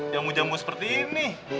jamu jamu seperti ini